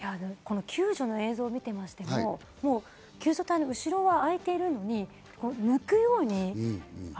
救助の映像を見てましても、救助隊の後ろはあいているのに、抜くように。